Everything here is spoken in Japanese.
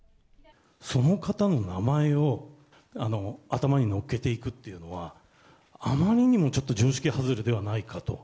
その方の名前を頭にのっけていくっていうのは、あまりにも、ちょっと常識外れではないかと。